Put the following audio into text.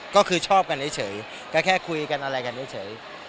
ก็คือชอบกันเฉยก็แค่คุยกันอะไรกันเฉย